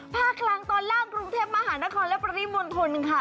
ภาคลังตอนล่างกรุงเทพมหานครและประดิษฐ์มนตรค่ะ